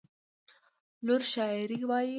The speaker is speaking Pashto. لور شاعري وايي.